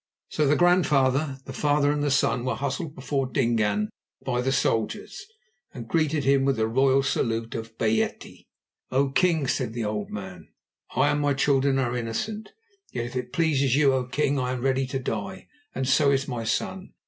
So the grandfather, the father, and the son were hustled before Dingaan by the soldiers, and greeted him with the royal salute of "bayète." "O king," said the old man, "I and my children are innocent. Yet if it pleases you, O king, I am ready to die, and so is my son.